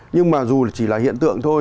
nhưng mà dù chỉ là hiện tượng thôi